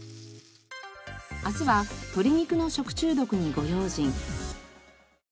明日は鶏肉の食中毒にご用心。